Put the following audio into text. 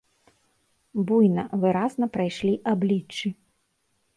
Буйна, выразна прайшлі абліччы.